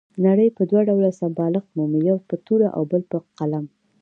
نړۍ په دوه ډول سمبالښت مومي، یو په توره او بل په قلم.